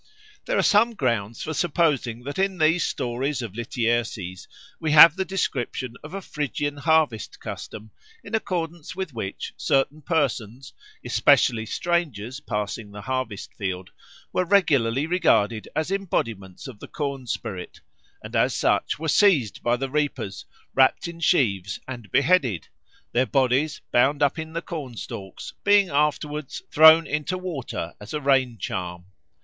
There are some grounds for supposing that in these stories of Lityerses we have the description of a Phrygian harvest custom in accordance with which certain persons, especially strangers passing the harvest field, were regularly regarded as embodiments of the corn spirit, and as such were seized by the reapers, wrapt in sheaves, and beheaded, their bodies, bound up in the corn stalks, being after wards thrown into water as a rain charm.